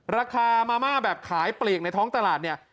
ราคามาม่าแบบขายปลีกในท้องตลาดเนี่ย